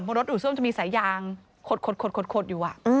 เพราะรถอู่ซ่วมจะมีสายยางขดอยู่